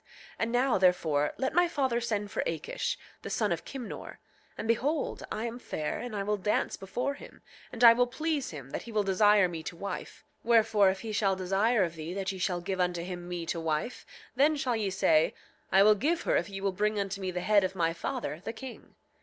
8:10 And now, therefore, let my father send for Akish, the son of Kimnor; and behold, I am fair, and I will dance before him, and I will please him, that he will desire me to wife; wherefore if he shall desire of thee that ye shall give unto him me to wife, then shall ye say: I will give her if ye will bring unto me the head of my father, the king.